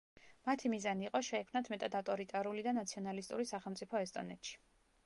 მათი მიზანი იყო შეექმნათ მეტად ავტორიტარული და ნაციონალისტური სახელმწიფო ესტონეთში.